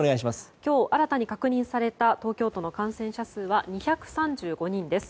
今日、新たに確認された東京都の感染者数は２３５人です。